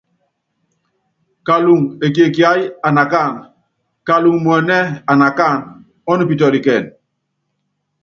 Kaluŋo ekie kiáyí anakáan, kalúŋu muɛnɛ́a, anakáana, ɔ́nupítɔ́likɛn.